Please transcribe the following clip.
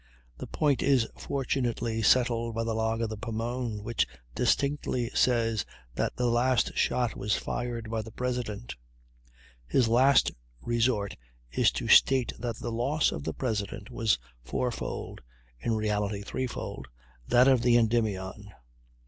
The point is fortunately settled by the log of the Pomone, which distinctly says that the last shot was fired by the President. His last resort is to state that the loss of the President was fourfold (in reality threefold) that of the Endymion.